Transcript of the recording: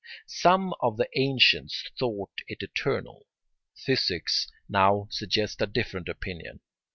Some of the ancients thought it eternal; physics now suggests a different opinion.